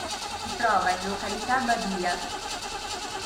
Si trova in località Badia.